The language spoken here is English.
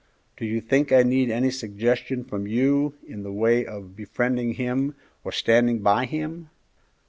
Do you think I need any suggestion from you in the way of befriending him or standing by him?"